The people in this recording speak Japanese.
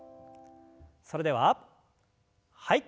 それでははい。